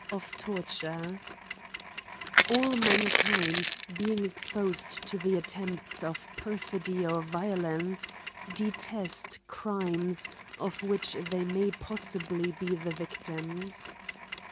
Of Torture, ALL mankind, being exposed to the attempt of perfidy or violence, detest crimes of which they may possibly be the victims.